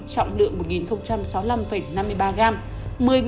trọng lượng một sáu mươi năm năm mươi ba gram